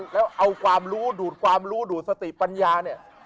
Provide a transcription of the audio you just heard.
แล้วเอาความรู้ดูดความรู้ดูดสติปัญญาเนี่ย